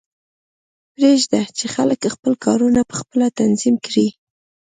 پریږده چې خلک خپل کارونه پخپله تنظیم کړي